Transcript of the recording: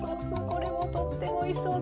これもとってもおいしそう。